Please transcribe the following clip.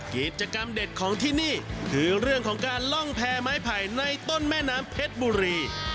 กิจกรรมเด็ดของที่นี่คือเรื่องของการล่องแพ้ไม้ไผ่ในต้นแม่น้ำเพชรบุรี